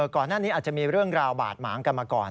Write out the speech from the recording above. ก่อนหน้านี้อาจจะมีเรื่องราวบาดหมางกันมาก่อน